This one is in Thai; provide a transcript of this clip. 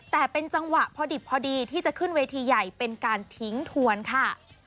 แต่เป็นจังหวะพอดิบพอดีที่จะขึ้นเวทีใหญ่เป็นการทิ้งทวนค่ะ